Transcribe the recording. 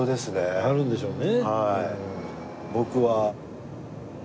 あるんでしょうね。